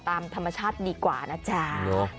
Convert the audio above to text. ตามธรรมชาติดีกว่านะจ๊ะ